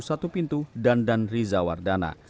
satu pintu dandan rizawardana